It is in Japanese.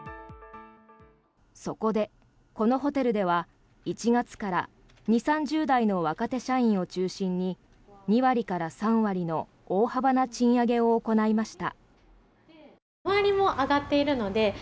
そこで、このホテルでは１月から２０３０代の若手社員を中心に２割から３割の大幅な賃上げを行いました。